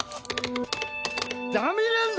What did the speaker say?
ダメなんだ！